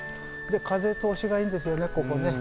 風通しがいいんですよねここね。